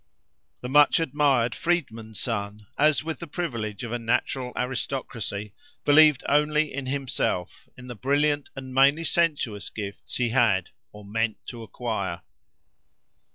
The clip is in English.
The much admired freedman's son, as with the privilege of a natural aristocracy, believed only in himself, in the brilliant, and mainly sensuous gifts, he had, or meant to acquire.